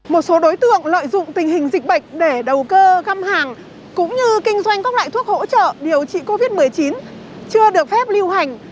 một số đối tượng lợi dụng tình hình dịch bệnh để đầu cơ găm hàng cũng như kinh doanh các loại thuốc hỗ trợ điều trị covid một mươi chín chưa được phép lưu hành